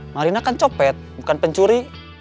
marina kan copet bukan pencuri